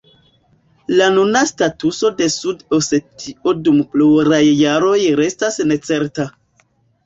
La nuna statuso de Sud-Osetio dum pluraj jaroj restas necerta.